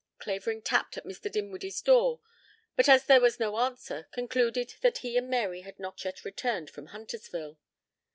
Clavering tapped at Mr. Dinwiddie's door, but as there was no answer, concluded that he and Mary had not yet returned from Huntersville.